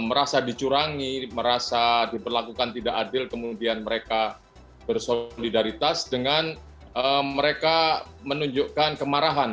merasa dicurangi merasa diperlakukan tidak adil kemudian mereka bersolidaritas dengan mereka menunjukkan kemarahan